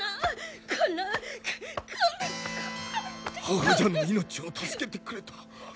母者の命を助けてくれた。